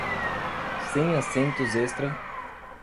Sem assentos extra